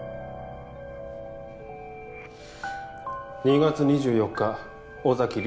２月２４日尾崎莉